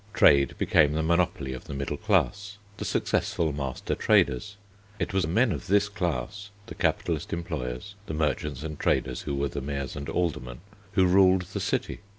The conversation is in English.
Trade became the monopoly of the middle class, the successful master traders. It was men of this class, the capitalist employers, the merchants and traders who were the mayors and aldermen, who ruled the city.